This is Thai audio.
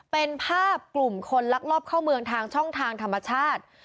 เป็นภาพกลุ่มคนลักลอบเข้าเมืองทางช่องทางธรรมชาติ